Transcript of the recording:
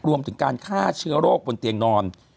รวมถึงการฆ่าเชื้อโรคบนเตียงนอน